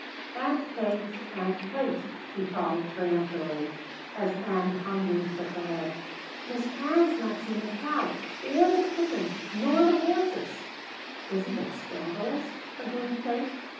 "Aunt Kate Aunt Kate!" he called peremptorily, as Ann humbly shook her head, "Miss Ann's not seen the cow or the, chickens nor the horses!" "Isn't it scandalous?" agreed Kate.